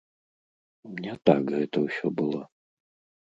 Не так гэта ўсё было.